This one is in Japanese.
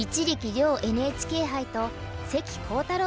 遼ＮＨＫ杯と関航太郎